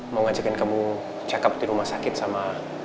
mau ngajakin kamu cakep di rumah sakit sama